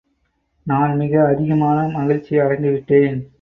நான் மிக அதிகமான மகிழ்ச்சியை அடைந்துவிட்டேன்!